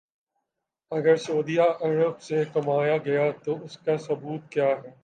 اگر سعودی عرب سے کمایا گیا تو اس کا ثبوت کیا ہے؟